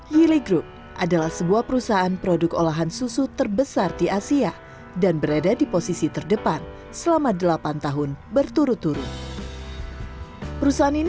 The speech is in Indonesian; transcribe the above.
yili group adalah sebuah perusahaan produk olahan susu terbesar di asia dan berada di posisi terdepan selama delapan tahun berturut turut